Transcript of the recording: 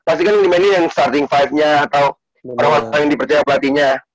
pasti kan dimainin yang starting five nya atau orang orang yang dipercaya pelatihnya